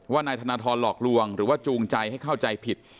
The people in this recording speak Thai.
นายธนทรหลอกลวงหรือว่าจูงใจให้เข้าใจผิด